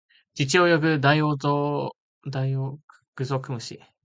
地中を泳ぐダイオウグソクムシ